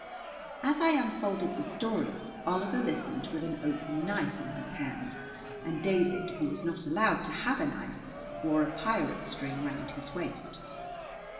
As I unfolded the story Oliver listened with an open knife in his hand, and David who was not allowed to have a knife wore a pirate string round his waist.